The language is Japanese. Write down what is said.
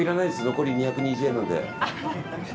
残り２２０円なので。